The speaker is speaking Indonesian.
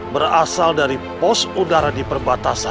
berasal dari pos udara di perbatasan